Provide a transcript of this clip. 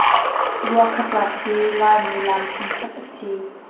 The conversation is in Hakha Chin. Ruakha tlak hi Laimi lam phun khat a si.